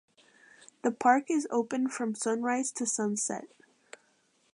The park is open from sunrise to sunset.